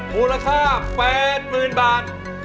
มูลค่า๘หมื่นบาท